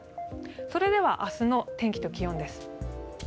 それでは明日の天気と気温です。